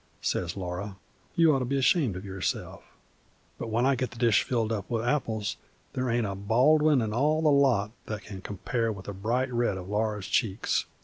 says Laura. 'You oughter be ashamed of yourself!' But when I get the dish filled up with apples there ain't a Baldwin in all the lot that can compare with the bright red of Laura's cheeks.